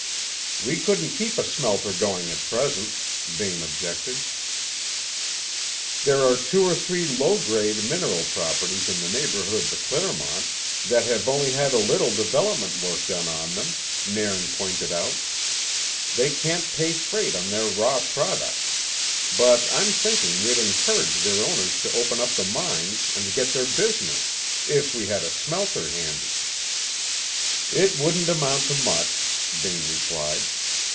"We couldn't keep a smelter going at present," Vane objected. "There are two or three low grade mineral properties in the neighbourhood of the Clermont that have only had a little development work done on them," Nairn pointed out. "They can't pay freight on their raw product; but I'm thinking we'd encourage their owners to open up the mines, and get their business, if we had a smelter handy." "It wouldn't amount to much," Vane replied.